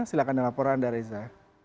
silahkan dilaporan anda reza